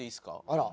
あら！